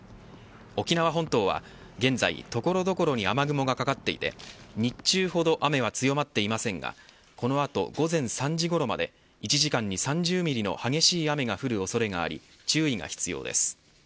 沖縄本島は現在、所々に雨雲がかかっていて日中ほど雨は強まっていませんがこの後午前３時ごろまで１時間に３０ミリの激しい雨が降る恐れがあり注意が必要です。